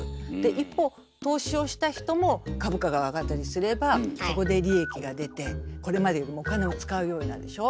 一方投資をした人も株価が上がったりすればそこで利益が出てこれまでよりもお金を使うようになるでしょ？